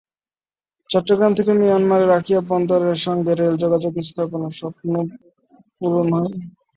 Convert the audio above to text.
চট্টগ্রাম থেকে মিয়ানমারের আকিয়াব বন্দরের সঙ্গে রেল যোগাযোগ স্থাপনের স্বপ্নও পূরণ হয়নি।